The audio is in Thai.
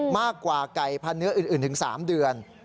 มากกว่าไก่พันธเนื้ออื่นถึง๓เดือน